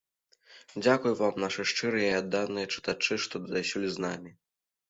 Дзякуй вам, нашы шчырыя і адданыя чытачы, што дасюль з намі!